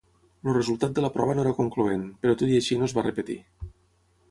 El resultat de la prova no era concloent, però tot i així no es va repetir.